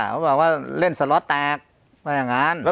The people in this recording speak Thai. เขาบอกว่าเล่นสล็อตแตกว่าอย่างนั้น